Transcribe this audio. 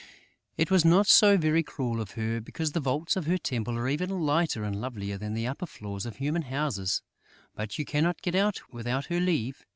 It was not so very cruel of her, because the vaults of her temple are even lighter and lovelier than the upper floors of human houses; but you cannot get out without her leave.